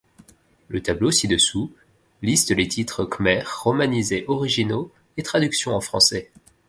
Le tableau ci-dessous liste les titres khmer romanisés originaux et traductions en français.